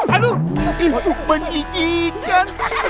aduh ini bukannya ikan